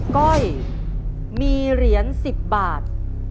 ก้อยมีเหรียญ๑๐บาท